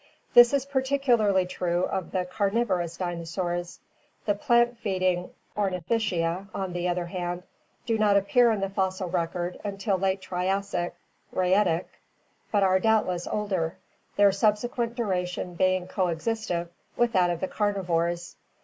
This is particularly true of the carnivorous dinosaurs; the plant feeding Ornithischia, on the other hand, do not appear in the fossil record until late Triassic (Rhaetic) but are doubtless older, their subsequent duration being coextensive with that of the carnivores.